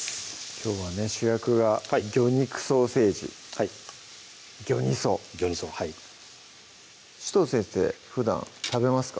きょうはね主役が魚肉ソーセージギョニソギョニソはい紫藤先生ふだん食べますか？